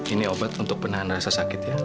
ini obat untuk penahan rasa sakit ya